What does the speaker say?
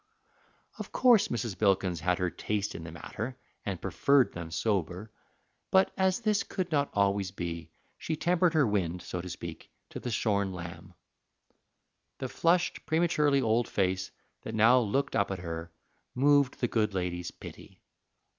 Of course Mrs. Bilkins had her taste in the matter, and preferred them sober. But as this could not always be, she tempered her wind, so to speak, to the shorn lamb. The flushed, prematurely old face that now looked up at her moved the good lady's pity.